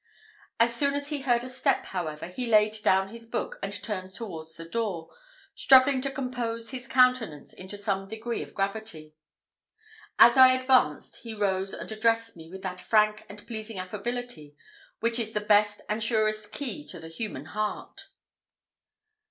As soon as he heard a step, however, he laid down his book, and turned towards the door, struggling to compose his countenance into some degree of gravity. As I advanced, he rose and addressed me with that frank and pleasing affability which is the best and surest key to the human heart.